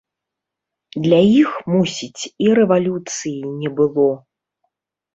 Для іх, мусіць, і рэвалюцыі не было.